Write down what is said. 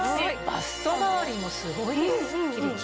バストまわりもすごいすっきりキレイ！